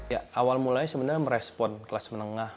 ya awal mulanya sebenarnya merespon kelas menengah